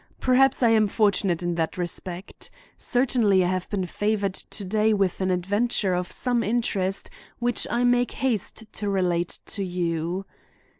Perhaps I am fortunate in that respect. Certainly I have been favored today with an adventure of some interest which I make haste to relate to you.